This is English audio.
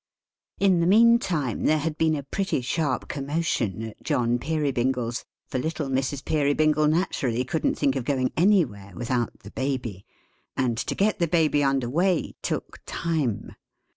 In the mean time, there had been a pretty sharp commotion at John Peerybingle's; for little Mrs. Peerybingle naturally couldn't think of going anywhere without the Baby; and to get the Baby under weigh, took time.